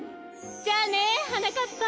じゃあねはなかっぱ。